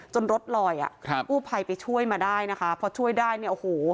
รถลอยอ่ะครับกู้ภัยไปช่วยมาได้นะคะพอช่วยได้เนี่ยโอ้โห